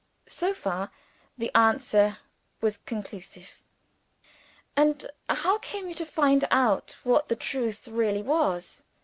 So far the answer was conclusive. "And how came you to find out what the truth really was?"